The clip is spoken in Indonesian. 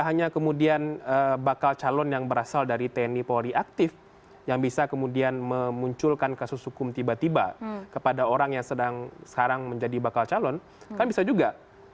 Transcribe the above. hanya kemudian bakal calon yang berasal dari tni polri aktif yang bisa kemudian memunculkan kasus hukum tiba tiba kepada orang yang sekarang menjadi bakal calon kan bisa juga